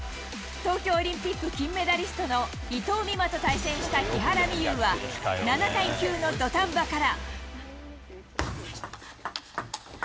東京オリンピック金メダリストの伊藤美誠と対戦した木原美悠は、７対９の土壇場から。